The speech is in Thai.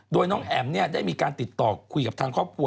โดยน้องแอ๋มได้มีการติดต่อคุยกับทางครอบครัว